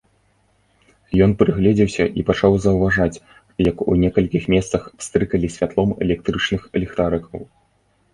Ён прыгледзеўся і пачаў заўважаць, як у некалькіх месцах пстрыкалі святлом электрычных ліхтарыкаў.